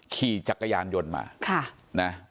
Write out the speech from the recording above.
ขี่จักรยานยนต์มานะ